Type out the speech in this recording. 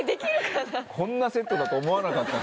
こんなセットだと思わなかったから。